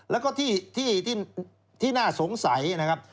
แล้วก็ที่น่าสงสัยนะครับ